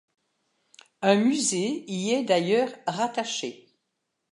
Un musée y est d’ailleurs rattaché.